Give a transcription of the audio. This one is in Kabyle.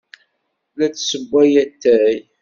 La d-tessewway atay.